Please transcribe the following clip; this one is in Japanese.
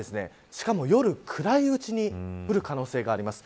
しかも、夜暗いうちに降る可能性があります。